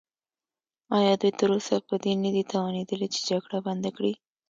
ایا دوی تراوسه په دې نه دي توانیدلي چې جګړه بنده کړي؟